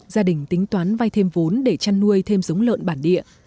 gia đình tính toán vay thêm vốn để chăn nuôi thêm giống lợn bản địa